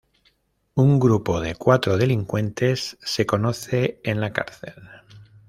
Un grupo de cuatro delincuentes se conoce en la cárcel.